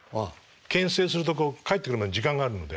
けん制すると返ってくるまで時間があるので。